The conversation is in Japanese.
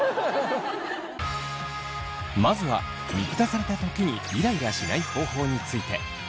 まずは見下された時にイライラしない方法について。